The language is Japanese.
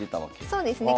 そうですね。